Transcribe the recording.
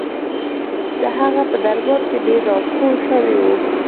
د هغه په درباره کې ډېر راټول شوي وو.